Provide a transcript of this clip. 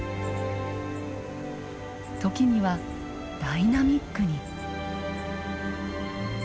時にはダイナミックに。